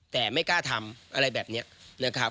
แต่ไม่กล้าทำอะไรแบบนี้นะครับ